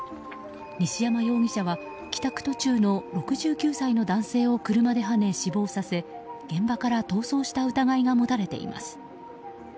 西山容疑者は帰宅途中の６９歳の男性を車ではね、死亡させ現場から逃走した疑いが持たれています。